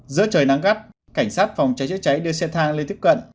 giữa trời nắng gắt cảnh sát phòng cháy chữa cháy đưa xe thang lên tiếp cận